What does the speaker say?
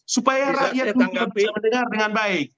supaya rakyat mendengar dengan baik